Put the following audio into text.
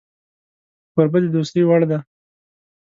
کوربه د دوستۍ وړ دی